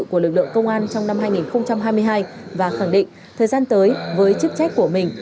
của lực lượng công an trong năm hai nghìn hai mươi hai và khẳng định thời gian tới với chức trách của mình